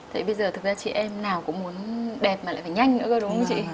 thế bây giờ thực ra chị em nào cũng muốn đẹp mà lại phải nhanh nữa cơ đúng không chị